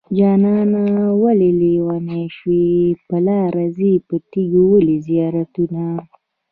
جانانه ولې لېونی شوې په لاره ځې په تيګو ولې زيارتونه